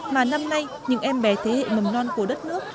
mà năm nay những em bé thế hệ mầm non của đất nước